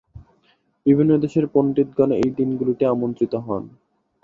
বিভিন্ন দেশের পণ্ডিতগণ এই দিনগুলিতে আমন্ত্রিত হন।